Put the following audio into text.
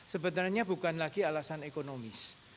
sebenarnya bukan lagi alasan ekonomis